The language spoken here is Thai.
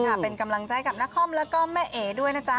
เป็นกำลังใจกับนครแล้วก็แม่เอ๋ด้วยนะจ๊ะ